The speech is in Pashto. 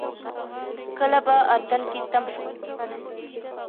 کله به اردن کې تم شو.